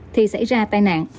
thì xảy ra tai nạn